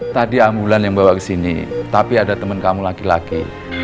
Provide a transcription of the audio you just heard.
tadi ambulan yang bawa ke sini tapi ada teman kamu laki laki